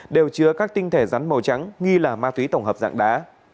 đều chứa các tinh thể rắn màu trắng nghi là ma túy tổng hợp dạng đá